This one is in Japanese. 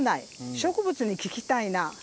植物に聞きたいな。